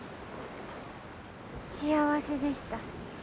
幸せでした。